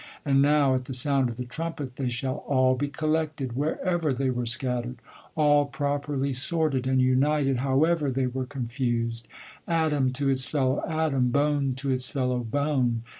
And now, at the sound of the trumpet, they shall all be collected, wherever they were scattered ; all prop erly sorted and united, however' they were confused ; atom to Its fellow atom, bone to its fellow bone.